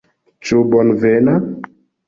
Ĉu bonvena?